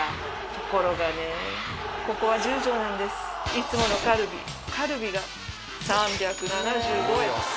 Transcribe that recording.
いつものカルビカルビが３７５円。